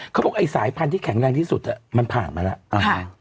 เขาบอกไอ้สายพันธุ์ที่แข็งแรงที่สุดมันผ่านมาแล้ว